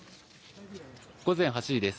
午前８時です。